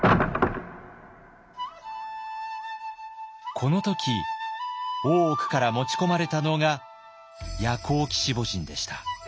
この時大奥から持ち込まれたのが夜光鬼子母神でした。